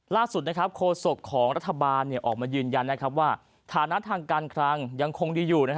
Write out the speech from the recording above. ล่าสุดโคศกของรัฐบาลออกมายืนยันว่าฐานะทางการคลังยังคงดีอยู่